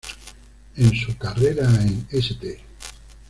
En su carrera en St.